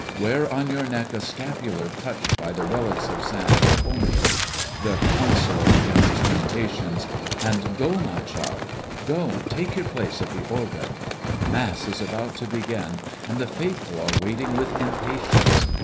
Wear on your neck a scapular touched by the relics of San Pacomio, the counsellor against temptations; and go, my child, go and take your place at the organ. Mass is about to begin, and the faithful are waiting with impatience.